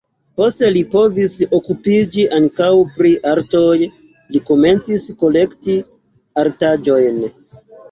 Poste li povis okupiĝi ankaŭ pri artoj, li komencis kolekti artaĵojn.